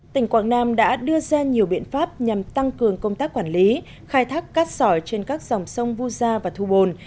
tỉnh quảng nam đã đưa ra nhiều biện pháp nhằm tăng cường công tác quản lý khai thác cát sỏi trên các dòng sông vu gia và thu bồn